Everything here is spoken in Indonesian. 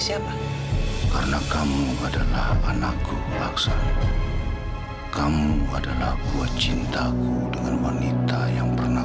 siapa karena kamu adalah anakku pelaksana kamu adalah buah cintaku dengan wanita yang pernah